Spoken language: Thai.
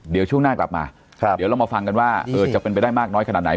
เดี๋ยวช่วงหน้ากลับมาเดี๋ยวเรามาฟังกันว่าจะเป็นไปได้มากน้อยขนาดไหน